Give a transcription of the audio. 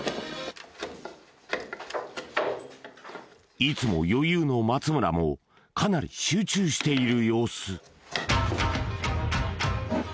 いつも余裕の松村もかなり集中している様子